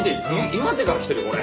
岩手から来てるよこれ。